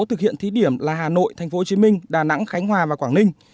thực hiện thí điểm là hà nội thành phố hồ chí minh đà nẵng khánh hòa và quảng ninh